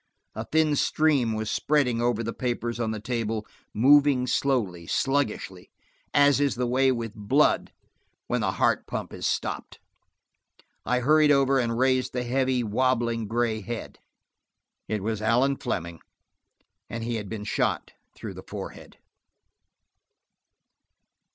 A thin stream was spreading over the papers on the table, moving slowly, sluggishly, as is the way with blood when the heart pump is stopped. I hurried over and raised the heavy, wobbling, gray head. It was Allan Fleming and he had been shot through the forehead.